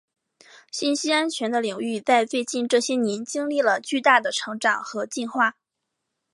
信息安全的领域在最近这些年经历了巨大的成长和进化。